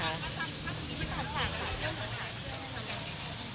อะไร